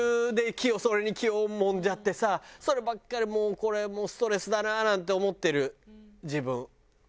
それに気をもんじゃってさそればっかりもうこれもうストレスだななんて思ってる自分。